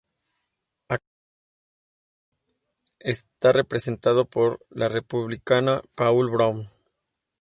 Actualmente el distrito está representado por el Republicano Paul Broun.